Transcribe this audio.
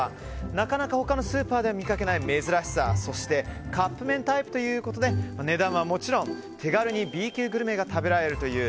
なかなか他のスーパーでは見かけない珍しさ、そしてカップ麺タイプということで値段はもちろん手軽にＢ級グルメが食べられるという